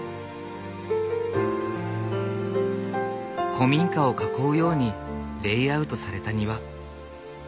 古民家を囲うようにレイアウトされた庭。